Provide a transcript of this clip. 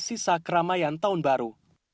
sisa keramaian tahun baru